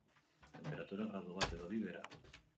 Tenperaturak, gradu bat edo bi behera.